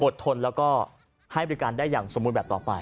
ทนแล้วก็ให้บริการได้อย่างสมบูรณ์แบบต่อไป